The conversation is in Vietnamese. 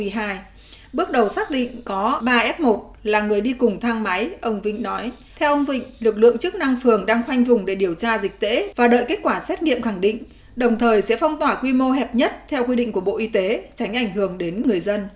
bước đầu xác định có ba f một là người đi cùng thang máy ông vinh nói theo ông vịnh lực lượng chức năng phường đang khoanh vùng để điều tra dịch tễ và đợi kết quả xét nghiệm khẳng định đồng thời sẽ phong tỏa quy mô hẹp nhất theo quy định của bộ y tế tránh ảnh hưởng đến người dân